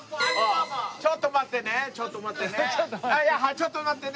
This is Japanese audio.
ちょっと待ってね。